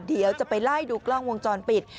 เดี๋ยวจะไปไล่ดูกล้องวงจรปิด